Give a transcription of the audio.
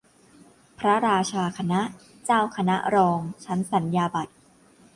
พระราชาคณะ เจ้าคณะรอง ชั้นสัญญาบัตร